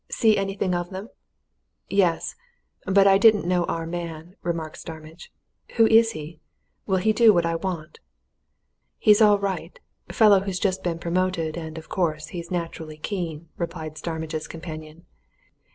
See anything of them?" "Yes but I didn't know our man," remarked Starmidge. "Who is he? Will he do what I want?" "He's all right fellow who's just been promoted, and, of course, he's naturally keen," replied Starmidge's companion.